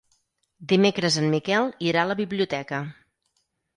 Dimecres en Miquel irà a la biblioteca.